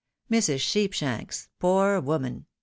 Mrs. Sheepshanks, poor woman